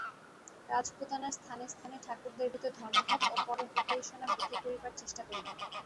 রাজপুতানার স্থানে স্থানে ঠাকুরদের ভিতর ধর্মভাব ও পরহিতৈষণা বৃদ্ধি করিবার চেষ্টা করিবে।